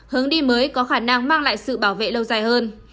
hướng đi mới có khả năng mang lại sự bảo vệ lâu dài hơn